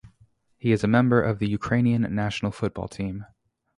He is a member of the Ukrainian national football team.